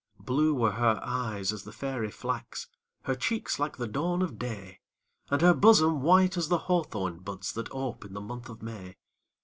Blue were her eyes as the fairy flax, Her cheeks like the dawn of day, And her bosom white as the hawthorn buds, That ope in the month of May.